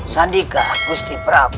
sandika agusti prabu